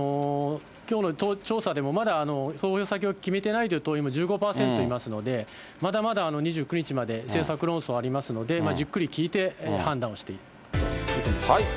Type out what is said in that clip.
きょうの調査でも、まだ投票先を決めてないという党員も１５％いますので、まだまだ２９日まで政策論争ありますので、じっくり聞いて判断をしていきたいというふうに思います。